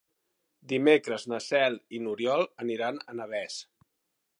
Dimecres na Cel i n'Oriol aniran a Navès.